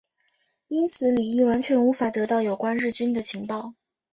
因此李镒完全无法得到有关日军的情报。